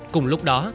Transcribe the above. cùng lúc đó